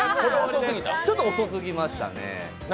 ちょっと遅すぎましたね。